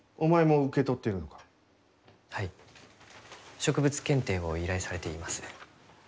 植物検定を依頼されています。